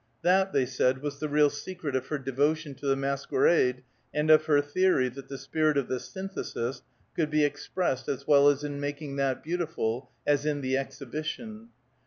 That, they said, was the real secret of her devotion to the masquerade and of her theory that the spirit of the Synthesis could be expressed as well in making that beautiful, as in the exhibition.